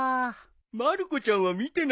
まる子ちゃんは見てなよ。